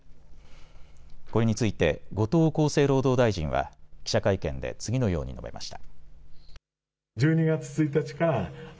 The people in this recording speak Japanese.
これについて後藤厚生労働大臣は記者会見で次のように述べました。